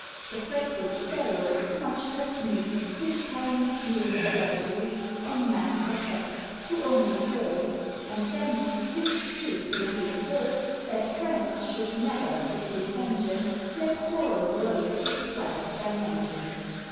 The fretful Sparrow, much less meek, His tiny fury tried to wreak On Master Cat, who only purred, And thence this truth may be inferred, That friends should never, in dissension, Let quarrel grow to strife's dimension.